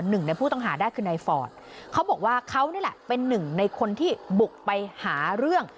หนึ่งในผู้ต้องหาได้คือในฟอร์ดเขาบอกว่าเขานี่แหละเป็นหนึ่งในคนที่บุกไปหาเรื่อง